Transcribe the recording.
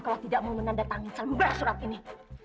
kalau tidak mau menandatangani seluruh surat ini